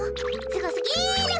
すごすぎる！